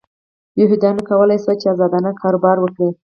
یهودیانو کولای شول چې ازادانه کاروبار وکړي.